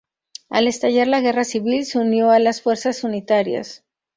Al estallar la guerra civil, se unió a las fuerzas unitarias.